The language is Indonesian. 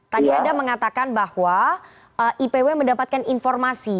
tadi anda mengatakan bahwa ipw mendapatkan informasi